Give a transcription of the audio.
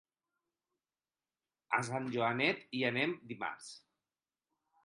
A Sant Joanet hi anem dimarts.